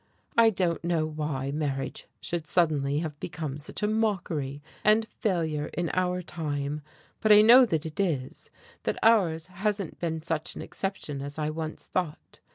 I don't know why marriage should suddenly have become such a mockery and failure in our time, but I know that it is, that ours hasn't been such an exception as I once thought.